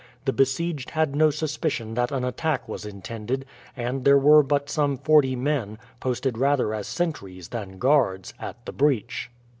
The besieged had no suspicion that an attack was intended, and there were but some forty men, posted rather as sentries than guards, at the breach.